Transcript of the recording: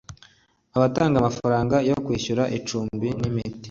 Abatanga amafaranga yo kwishyura icumbi nimiti